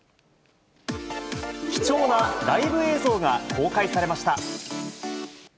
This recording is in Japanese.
貴重なライブ映像が公開されました。